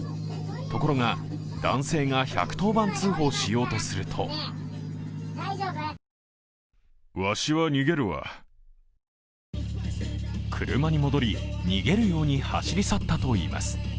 ところが男性が１１０番通報しようとすると車に戻り、逃げるように走り去ったといいます。